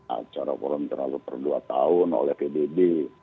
acara forum terlalu berdua tahun oleh pdd